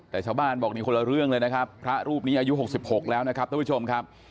แต่ชาวบ้านบอกนี่คนละเรื่องเลยนะครับพระรูปนี้อายุ๖๖แล้วนะครับท่านผู้ชมครับ